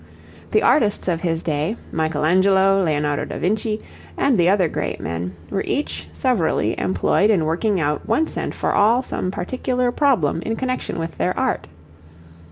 The artists of his day, Michelangelo, Leonardo da Vinci, and the other great men, were each severally employed in working out once and for all some particular problem in connection with their art.